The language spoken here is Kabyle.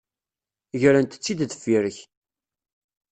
Grent-tt-id deffir-k.